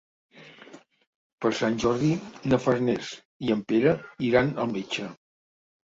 Per Sant Jordi na Farners i en Pere iran al metge.